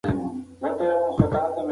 ټولنپوهنه د ډله ایز کار ارزښت بیانوي.